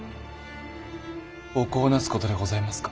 お子をなすことでございますか？